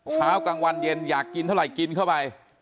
เช้ากลางวันเย็นอยากกินเท่าไหร่กินเข้าไป